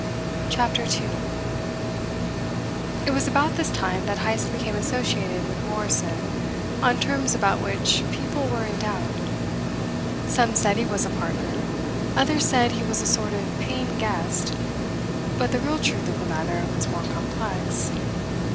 CHAPTER TWO It was about this time that Heyst became associated with Morrison on terms about which people were in doubt. Some said he was a partner, others said he was a sort of paying guest, but the real truth of the matter was more complex.